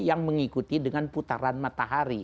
yang mengikuti dengan putaran matahari